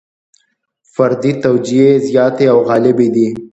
فردي توجیې زیاتې او غالبې دي.